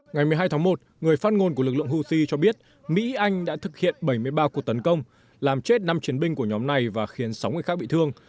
ngày một mươi hai tháng một người phát ngôn của lực lượng houthi cho biết mỹ anh đã thực hiện bảy mươi ba cuộc tấn công làm chết năm chiến binh của nhóm này và khiến sáu người khác bị thương